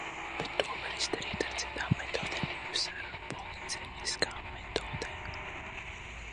Bet to var izdarīt ar citām metodēm, nevis ar policejiskām metodēm.